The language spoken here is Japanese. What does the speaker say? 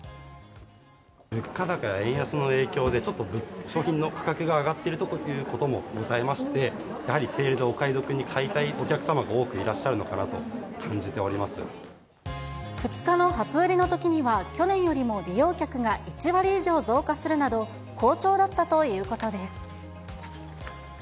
物価高や円安の影響で、ちょっと商品の価格が上がっていることもございまして、やはりセールでお買い得に買いたいお客様が多くいらっしゃるのか２日の初売りのときには、去年よりも利用客が１割以上増加するなど、好調だったということです。